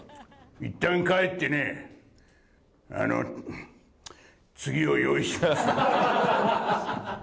いったん帰ってね、あの、つぎを用意する。